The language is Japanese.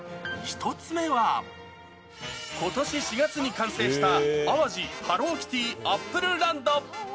１つ目は、ことし４月に完成した、淡路ハローキティアップルランド。